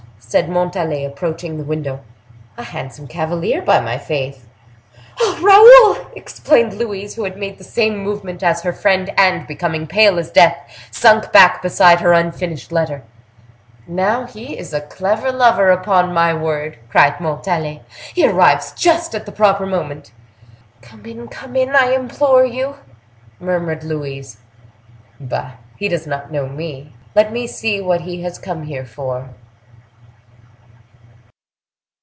said Montalais, approaching the window. "A handsome cavalier, by my faith!" "Oh!—Raoul!" exclaimed Louise, who had made the same movement as her friend, and, becoming pale as death, sunk back beside her unfinished letter. "Now, he is a clever lover, upon my word!" cried Montalais; "he arrives just at the proper moment." "Come in, come in, I implore you!" murmured Louise. "Bah! he does not know me. Let me see what he has come here for."